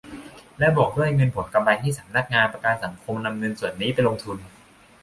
และบวกด้วยเงินผลกำไรที่สำนักงานประกันสังคมนำเงินส่วนนี้ไปลงทุน